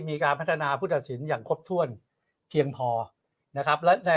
มีการพัฒนาผู้ตัดสินอย่างครบถ้วนเพียงพอนะครับ